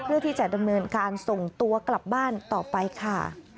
เพื่อที่จะดำเนินการส่งตัวกลับบ้านต่อไปค่ะ